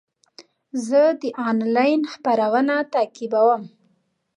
زه د انلاین خپرونه تعقیبوم.